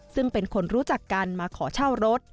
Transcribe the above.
ซึ่งเป็นคนรู้จักกันมาขอเช่ารถ